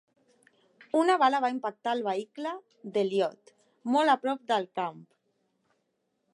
Una bala va impactar al vehicle d'Elliott, molt a prop del cap.